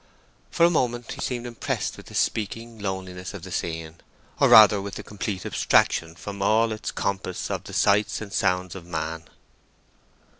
For a moment he seemed impressed with the speaking loneliness of the scene, or rather with the complete abstraction from all its compass of the sights and sounds of man.